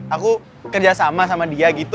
aku kerja sama sama dia gitu